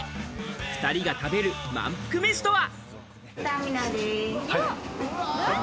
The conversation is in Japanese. ２人が食べるまんぷく飯とは？